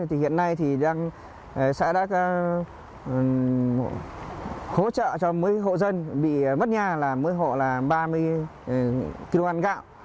thì hiện nay thì xã đã hỗ trợ cho mấy hộ dân bị mất nhà là mỗi hộ là ba mươi kg gạo